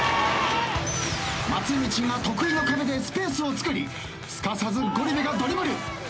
松道が得意の壁でスペースをつくりすかさずゴリ部がドリブル。